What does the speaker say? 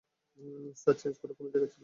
Sir, change করার কোন জায়গা ছিল না।